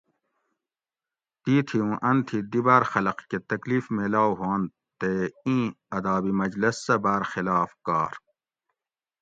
تیتھی اوں ان تھی دی باۤر خلق کہ تکلیف میلاؤ ہُوانت تے اِیں اداب مجلس سہ باۤر خلاف کار